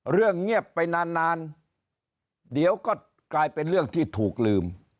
เรื่องเงียบไปนานนานเดี๋ยวก็กลายเป็นเรื่องที่ถูกลืม